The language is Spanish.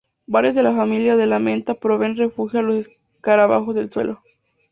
Varias de la familia de la menta proveen refugio a los escarabajos del suelo.